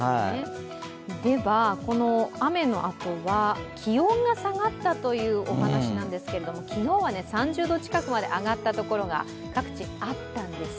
では、雨のあとは気温が下がったというお話なんですけれども昨日は３０度近くまで上がった所が各地あったんです。